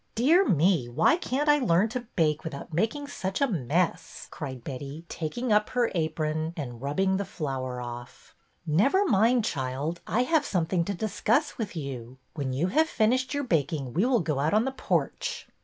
Dear me, why can't I learn to bake without 1 66 BETTY BAIRD'S VENTURES making such a mess," cried Betty, taking up her apron and rubbing the flour of¥. '' Never mind, child, I have something to dis cuss with you. When you have finished your baking we will go out on the porch."